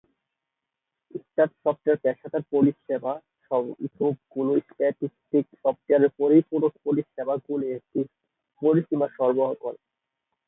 স্ট্যাটসফটের পেশাদার পরিষেবা গ্রুপগুলি স্ট্যাটিসটিকা সফটওয়্যারের পরিপূরক পরিষেবাগুলির একটি পরিসীমা সরবরাহ করে।